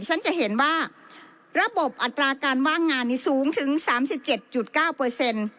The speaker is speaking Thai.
ฉันจะเห็นว่าระบบอัตราการว่างงานนี้สูงถึงสามสิบเจ็ดจุดเก้าเปอร์เซ็นต์